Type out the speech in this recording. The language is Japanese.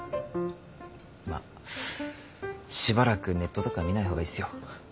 まあしばらくネットとか見ない方がいいっすよ。